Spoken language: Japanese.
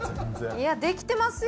いやできてますよ！